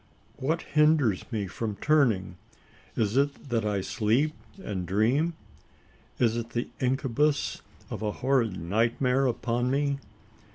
What hinders me from turning? Is it that I sleep, and dream? Is the incubus of a horrid nightmare upon me?